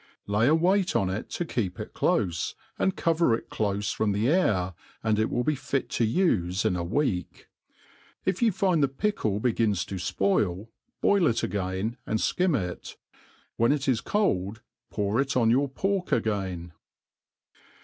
Lay a weight on it to keep it clofe, and cover it doff from the air, and it wi|i be fit to uie in a week. If ypu fin^ the pickle begins to fpoil, boil it again, and fkim it; ^hen it is cold, pour it on your pork again.